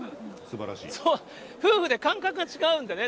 そう、夫婦で感覚が違うんでね。